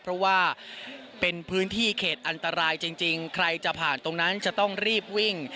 เพราะว่าเป็นพื้นที่เขตอันตรายจริงใครจะผ่านตรงนั้นจะต้องรีบวิ่ง